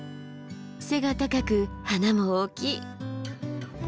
背が高く花も大きい。